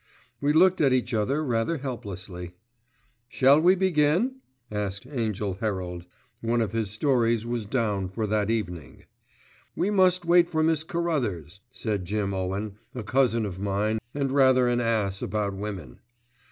We looked at each other rather helplessly. "Shall we begin?" asked Angell Herald. One of his stories was down for that evening. "We must wait for Miss Carruthers," said Jim Owen, a cousin of mine and rather an ass about women.